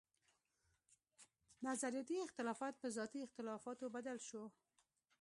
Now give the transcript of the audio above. نظرياتي اختلافات پۀ ذاتي اختلافاتو بدل شو